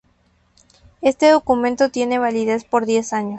Este documento tiene validez por diez años.